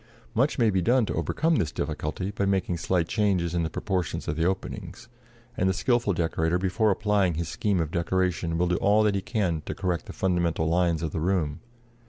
Much may be done to overcome this difficulty by making slight changes in the proportions of the openings; and the skilful decorator, before applying his scheme of decoration, will do all that he can to correct the fundamental lines of the room.